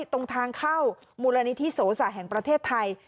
ตรงทางเข้ามูลนิธิโสสะแห่งประเทศไทย